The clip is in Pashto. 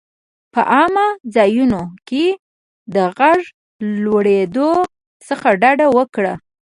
په عامه ځایونو کې د غږ لوړېدو څخه ډډه وکړه.